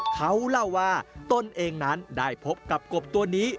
เขาเล่าว่าตนเองนั้นได้พบกับกบตัวนี้